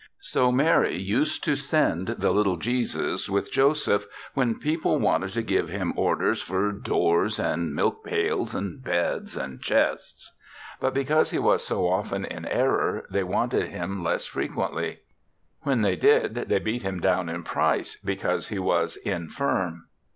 So Mary used to send the little Jesus with Joseph when people wanted to give him or ders for doors, and milk pails, and beds, and chests. But because he was so often in error, they wanted him less frequently; when they did, they beat him down in price, because he was infirm.